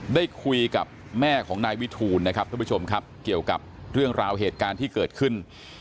ได้คุยกับแม่ของนายวิทูลนะครับทุกผู้ชมครับเกี่ยวกับเรื่องราวเหตุการณ์ที่เกิดขึ้น